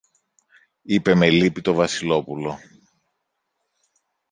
είπε με λύπη το Βασιλόπουλο.